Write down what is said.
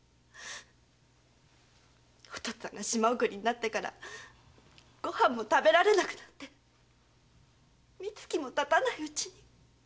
お父っつぁんが島送りになってからご飯も食べられなくて三月も経たないうちに！